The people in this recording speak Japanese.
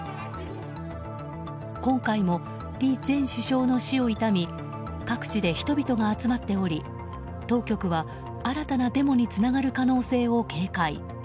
今回も、李前首相の死を悼み各地で人々が集まっており当局は、新たなデモにつながる可能性を警戒。